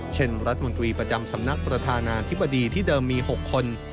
เช่นรัฐมนตรีประจำสำนักประธานาธิบดีที่เดิมมี๖คน